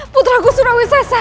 putraku sudah bersesat